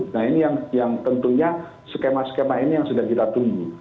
nah ini yang tentunya skema skema ini yang sudah kita tunggu